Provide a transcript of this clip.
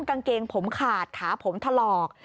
กางเกงผมขาดขาผมถลอก